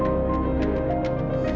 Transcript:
akan yang kami patuhi